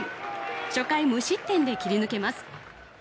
初回、無失点で切り抜けます。